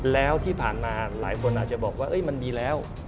แล้วที่ผ่านมาหลายคนอาจจะบอกว่ามันมีแล้ว